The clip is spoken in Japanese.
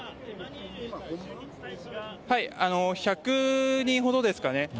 １００人ほどですかね。